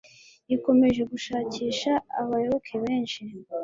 ikomeje gushakisha abayoboke benshi